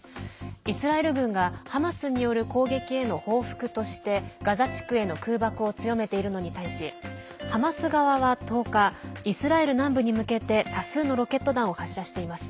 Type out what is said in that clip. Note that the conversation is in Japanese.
イスラエル軍が、ハマスによる攻撃への報復としてガザ地区への空爆を強めているのに対しハマス側は１０日イスラエル南部に向けて多数のロケット弾を発射しています。